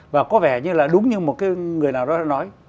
và có vẻ như là đúng như một cái